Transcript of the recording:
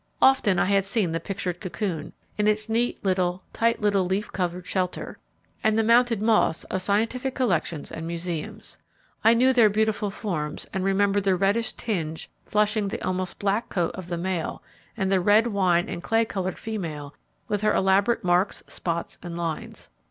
Often I had seen the pictured cocoon, in its neat little, tight little leaf covered shelter, and the mounted moths of scientific collections and museums; I knew their beautiful forms and remembered the reddish tinge flushing the almost black coat of the male and the red wine and clay coloured female with her elaborate marks, spots, and lines.